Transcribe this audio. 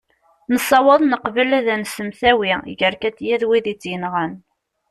nessaweḍ neqbel ad nsemtawi gar katia d wid i tt-yenɣan